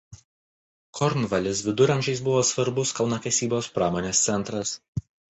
Kornvalis viduramžiais buvo svarbus kalnakasybos pramonės centras.